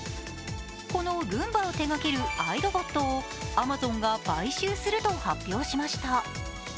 このルンバを手がけるアイロボットをアマゾンが買収すると発表しました。